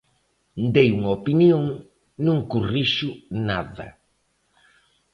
Dei unha opinión, non corrixo nada.